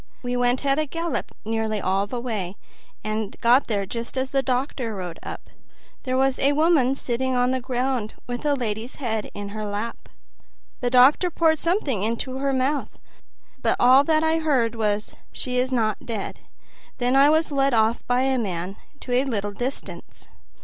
"We went a gallop nearly all the way, and got there just as the doctor rode up. There was a woman sitting on the ground with the lady's head in her lap. The doctor poured something into her mouth, but all that I heard was, 'She is not dead.' Then I was led off by a man to a little distance.